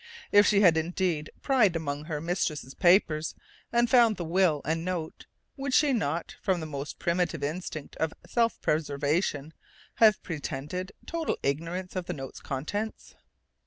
If she had indeed pried among her mistress' papers and found the will and note, would she not, from the most primitive instinct of self preservation, have pretended total ignorance of the note's contents?